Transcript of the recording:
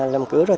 làm cửa rồi